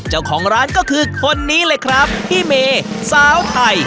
เจ้าของร้านก็คือคนนี้เลยครับพี่เมย์สาวไทย